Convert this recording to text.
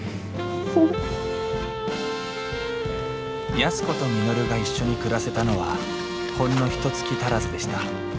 安子と稔が一緒に暮らせたのはほんのひとつき足らずでした。